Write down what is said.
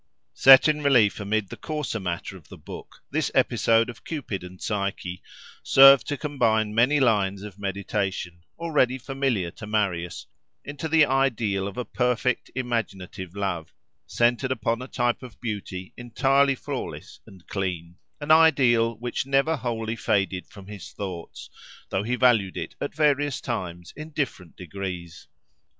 Set in relief amid the coarser matter of the book, this episode of Cupid and Psyche served to combine many lines of meditation, already familiar to Marius, into the ideal of a perfect imaginative love, centered upon a type of beauty entirely flawless and clean—an ideal which never wholly faded from his thoughts, though he valued it at various times in different degrees.